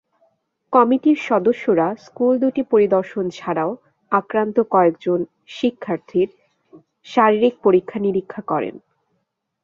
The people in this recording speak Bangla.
কমিটির সদস্যরা স্কুল দুটি পরিদর্শন ছাড়াও আক্রান্ত কয়েকজন শিক্ষার্থীর শারীরিক পরীক্ষা-নিরীক্ষা করেন।